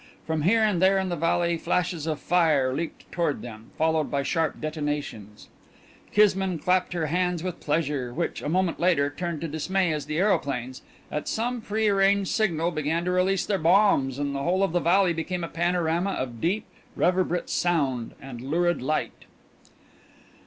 From here and there in the valley flashes of fire leaped toward them, followed by sharp detonations. Kismine clapped her hands with pleasure, which, a moment later, turned to dismay as the aeroplanes, at some prearranged signal, began to release their bombs and the whole of the valley became a panorama of deep reverberate sound and lurid light.